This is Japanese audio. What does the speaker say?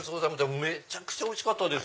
めちゃくちゃおいしかったです。